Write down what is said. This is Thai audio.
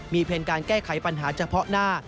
เพียงการแก้ไขปัญหาเฉพาะหน้า